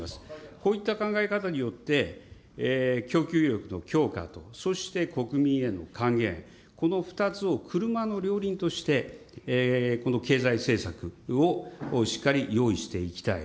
こういった考え方によって、供給力の強化と、そして国民への還元、この２つを車の両輪としてこの経済政策をしっかり用意していきたい。